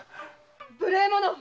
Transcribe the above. ・無礼者！